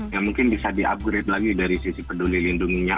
ya mungkin bisa di upgrade lagi dari sisi peduli lindunginya